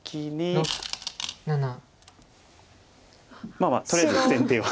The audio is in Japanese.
まあまあとりあえず先手は。